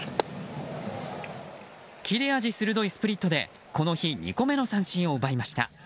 切れ味鋭いスプリットでこの日２個目の三振を奪いました。